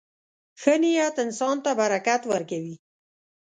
• ښه نیت انسان ته برکت ورکوي.